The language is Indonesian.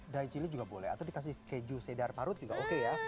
dari cili juga boleh atau dikasih keju sedar parut juga oke ya